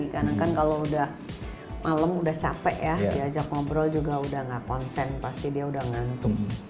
karena kan kalau udah malem udah capek ya diajak ngobrol juga udah gak konsen pasti dia udah ngantuk